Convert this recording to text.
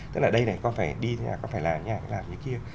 tức là đây này con phải đi nhà con phải làm như kia